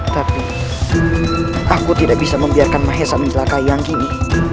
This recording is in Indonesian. tapi aku tidak bisa membiarkan mahesa menjelakai yang ini